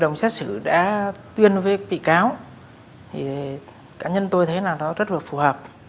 trong xét xử đã tuyên với bị cáo cá nhân tôi thấy là nó rất là phù hợp